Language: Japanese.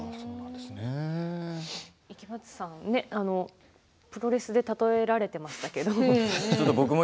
池松さん、プロレスで例えられてましたけども。